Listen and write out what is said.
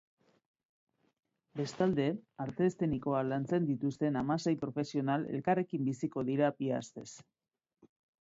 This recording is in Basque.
Bestalde, arte eszenikoak lantzen dituzten hamasei profesional elkarrekin biziko dira bi astez.